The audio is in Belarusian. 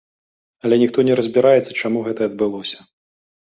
Але ніхто не разбіраецца, чаму гэта адбылося.